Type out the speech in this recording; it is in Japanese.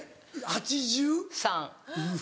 ８３。